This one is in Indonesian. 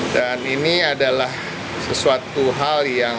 dan ini adalah sesuatu hal yang